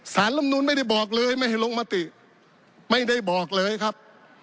ลำนูนไม่ได้บอกเลยไม่ให้ลงมติไม่ได้บอกเลยครับ